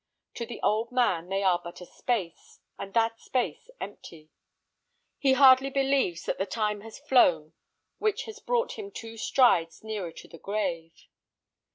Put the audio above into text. To the old man they are but a space, and that space empty. He hardly believes that the time has flown which has brought him two strides nearer to the grave.